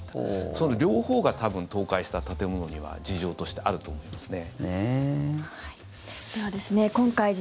その両方が多分倒壊した建物には事情としてあると思いますね。